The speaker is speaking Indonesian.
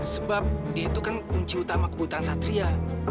sebab dia itu kan kunci utama kebutuhan satria